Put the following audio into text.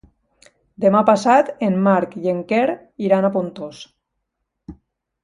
Demà passat en Marc i en Quer iran a Pontós.